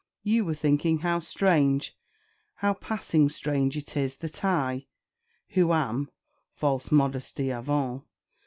You were thinking how strange, how passing strange it is, that I, who am (false modesty avaunt!)